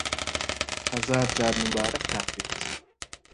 هەزار جار موبارەکتان بێت